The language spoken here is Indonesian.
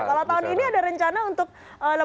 kalau tahun ini ada rencana untuk lebaran